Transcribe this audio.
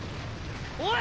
おい！